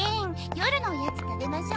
夜のおやつ食べましょ。